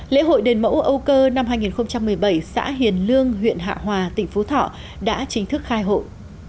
lễ hội đền mẫu âu cơ năm hai nghìn một mươi bảy xã hiền lương huyện hạ hòa tỉnh phú thọ đã chính thức khai hội